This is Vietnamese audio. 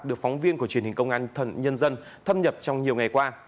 được phóng viên của truyền hình công an nhân dân thâm nhập trong nhiều ngày qua